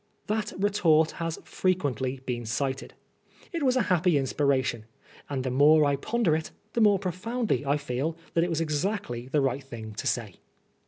^^ That retort has frequently been cited. It was a happy inspiration, and the more I ponder it the more pro foundly I feel that it was exactly the right thing to say.